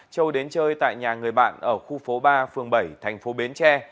châu đến chơi tại nhà người bạn ở khu phố ba phường bảy tp bến tre